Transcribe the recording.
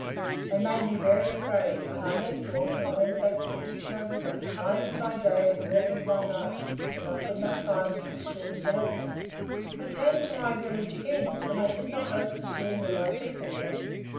They made me very afraid, and I left water and went back to this my river, hiding by day and walking by night, when I could not find little streams to help me. I came to my village again, but I did not hope to see any of my people there.